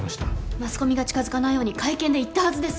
マスコミが近づかないように会見で言ったはずです